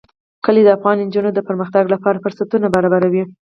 کلي د افغان نجونو د پرمختګ لپاره فرصتونه برابروي.